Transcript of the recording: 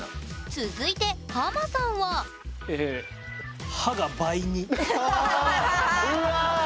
続いてハマさんはうわ。